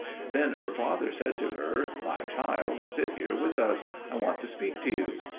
Then her father said to her, "My child, sit here with us: I want to speak to you."